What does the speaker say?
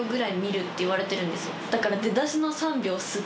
だから。